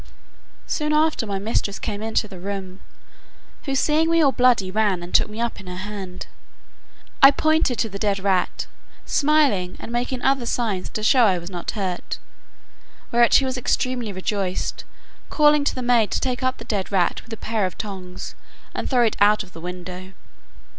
Soon after my mistress came into the room, who seeing me all bloody, ran and took me up in her hand. I pointed to the dead rat, smiling, and making other signs to show I was not hurt; whereat she was extremely rejoiced, calling the maid to take up the dead rat with a pair of tongs, and throw it out of the window.